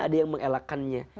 ada yang mengelakannya